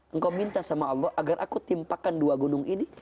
engkau minta sama allah agar aku timpakan dua gunung ini